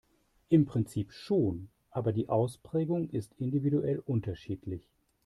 Im Prinzip schon, aber die Ausprägung ist individuell unterschiedlich.